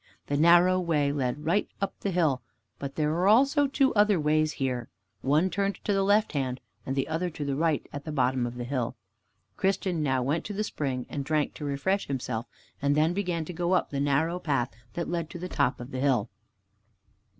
The narrow way lay right up the hill, but there were also two other ways here. One turned to the left hand and the other to the right at the bottom of the hill. Christian now went to the spring and drank to refresh himself, and then began to go up the narrow path that led to the top of the hill.